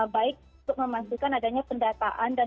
baik untuk memastikan adanya pendataan